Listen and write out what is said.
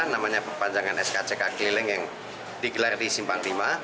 namanya perpanjangan skck keliling yang digelar di simpang lima